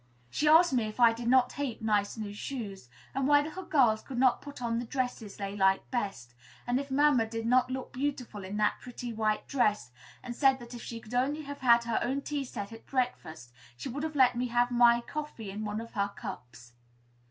She asked me if I did not hate nice new shoes; and why little girls could not put on the dresses they liked best; and if mamma did not look beautiful in that pretty white dress; and said that, if she could only have had her own tea set, at breakfast, she would have let me have my coffee in one of her cups.